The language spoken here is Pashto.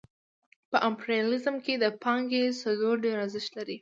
په امپریالیزم کې د پانګې صدور ډېر ارزښت لري